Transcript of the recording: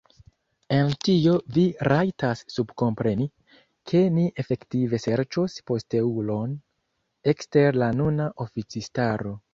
En tio vi rajtas subkompreni, ke ni efektive serĉos posteulon ekster la nuna oficistaro.